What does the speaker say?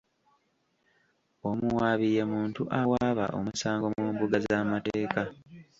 Omuwaabi ye muntu awaaba omusango mu mbuga z'amateeka.